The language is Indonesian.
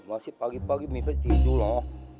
ini orang masih pagi pagi mimpi tidur loh